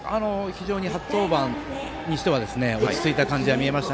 非常に初登板にしては落ち着いた感じが見えました。